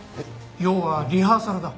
要はリハーサルだ。